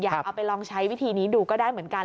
เอาไปลองใช้วิธีนี้ดูก็ได้เหมือนกัน